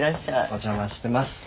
お邪魔してます。